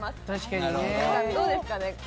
どうですか？